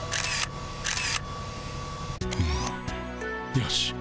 よし。